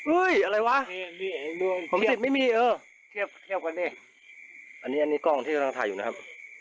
อุ้ยอะไรวะไม่มีเออเทียบเทียบกันดิอันนี้อันนี้กล้องที่กำลังถ่ายอยู่นะครับ